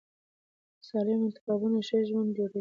سالم انتخابونه ښه ژوند جوړوي.